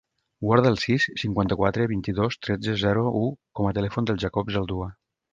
Guarda el sis, cinquanta-quatre, vint-i-dos, tretze, zero, u com a telèfon del Jacob Zaldua.